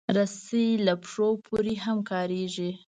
رسۍ له پښو پورې هم کارېږي.